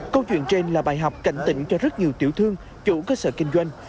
câu chuyện trên là bài học cảnh tỉnh cho rất nhiều tiểu thương chủ cơ sở kinh doanh